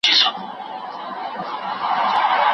او د مفاهیمو هغه عمق چي